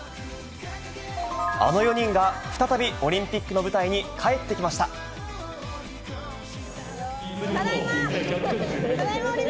あの４人が再びオリンピックただいま！